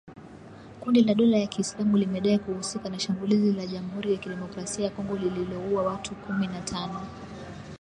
Kundi la dola ya Kiislamu limedai kuhusika na shambulizi la Jamhuri ya kidemokrasia ya Kongo lililouwa watu kumi na tano.